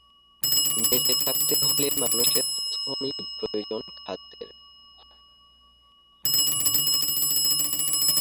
বেঁচে থাকতে হলে মানুষের প্রথমেই প্রয়োজন খাদ্যের।